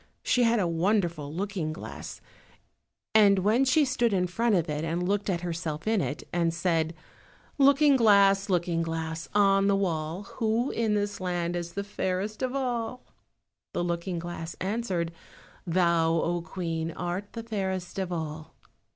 She had a wonderful looking glass, and when she stood in front of it and looked at herself in it, and said— "Looking glass, Looking glass, on the wall, Who in this land is the fairest of all?" the looking glass answered— "Thou, O Queen, art the fairest of all!"